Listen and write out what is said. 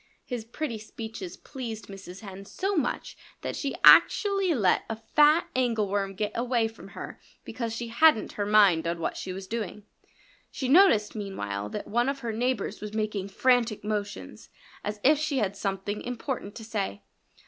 His pretty speeches pleased Mrs. Hen so much that she actually let a fat angleworm get away from her because she hadn't her mind on what she was doing. She noticed meanwhile that one of her neighbors was making frantic motions, as if she had something important to say.